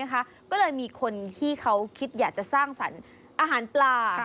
ก็เลยมีคนที่เขาคิดอยากจะสร้างสรรค์อาหารปลา